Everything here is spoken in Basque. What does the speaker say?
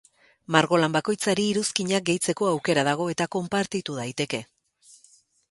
Margolan bakoitzari iruzkinak gehitzeko aukera dago eta konpartitu daiteke.